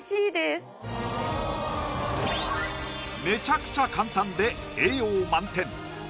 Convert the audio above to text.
めちゃくちゃ簡単で栄養満点！